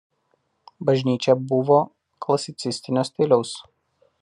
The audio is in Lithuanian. Bažnyčia buvo klasicistinio stiliaus.